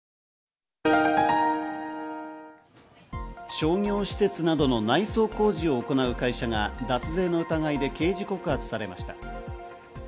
商業施設などの内装工事を行う会社が脱税の疑いで刑事告発されました。